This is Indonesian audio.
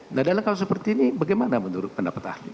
nah dalam hal seperti ini bagaimana menurut pendapatan